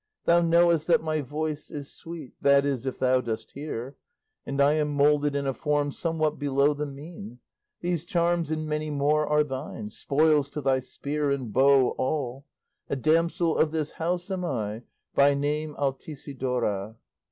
Thou knowest that my voice is sweet, That is if thou dost hear; And I am moulded in a form Somewhat below the mean. These charms, and many more, are thine, Spoils to thy spear and bow all; A damsel of this house am I, By name Altisidora.